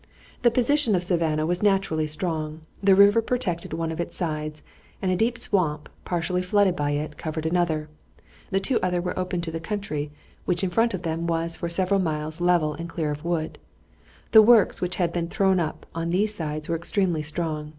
The position of Savannah was naturally strong. The river protected one of its sides and a deep swamp, partially flooded by it, covered another. The other two were open to the country, which in front of them was for several miles level and clear of wood. The works which had been thrown up on these sides were extremely strong.